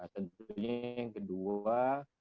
tentunya yang kedua